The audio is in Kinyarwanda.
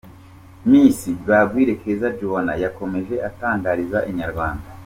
Miss Bagwire Keza Joannah yakomeje atangariza Inyarwanda.